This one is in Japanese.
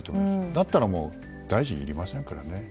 だったら大臣いりませんからね。